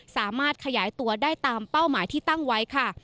สามารถขยายตัวได้ตามเป้าหมายที่ตั้งไว้ค่ะ